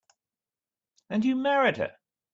And you married her.